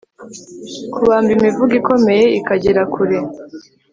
Kubamba imivugo ikomeye ikagera kure